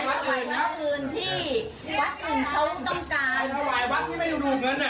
วัดอื่นเขาต้องการ